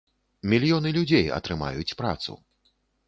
Мільёны людзей атрымаюць працу.